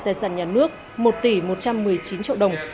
tài sản nhà nước một tỷ một trăm một mươi chín triệu đồng